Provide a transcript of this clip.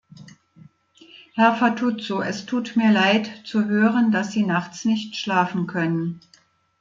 Herr Fatuzzo, es tut mir Leid, zu hören, dass Sie nachts nicht schlafen können.